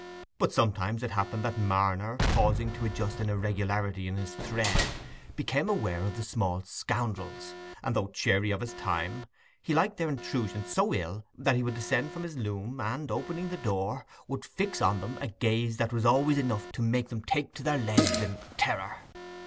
But sometimes it happened that Marner, pausing to adjust an irregularity in his thread, became aware of the small scoundrels, and, though chary of his time, he liked their intrusion so ill that he would descend from his loom, and, opening the door, would fix on them a gaze that was always enough to make them take to their legs in terror.